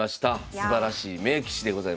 すばらしい名棋士でございました。